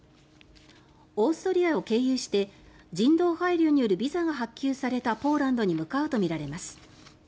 オーストリアを経由して人道配慮によるビザが発給されたポーランドに向かうとみられます。